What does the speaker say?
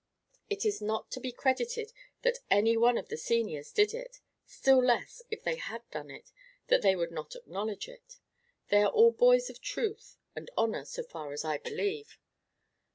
It is not to be credited that any one of the seniors did it: still less, if they had done it, that they would not acknowledge it. They are all boys of truth and honour, so far as I believe.